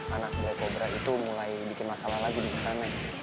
anak buah kobra itu mulai bikin masalah lagi di jakarta